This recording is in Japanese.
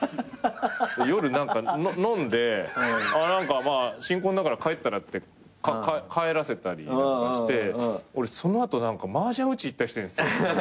夜飲んで何かまあ新婚だから帰ったらって帰らせたりなんかして俺その後マージャン打ちに行ったりしてんすよ。